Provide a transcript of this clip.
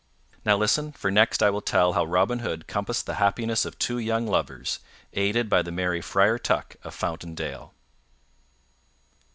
Now listen, for next I will tell how Robin Hood compassed the happiness of two young lovers, aided by the merry Friar Tuck of Fountain Dale.